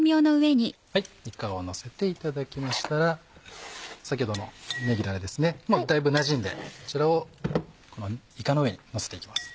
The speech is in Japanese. いかをのせていただきましたら先ほどのねぎだれですもうだいぶなじんでこちらをいかの上にのせて行きます。